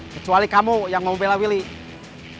kecuali kamu yang mau bela willy